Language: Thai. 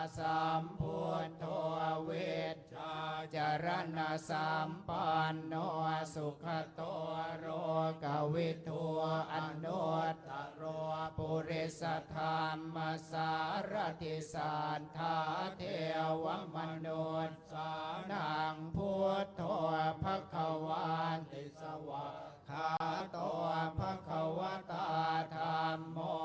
ชาวจารณสัมปันสุขตัวโรควิทัวอันตรวภูริสัทธรรมสารกิสัตว์ภาเทวะมะนวชานางพุทธภักขวาทิสวะภาโตภักขวาตาธรรม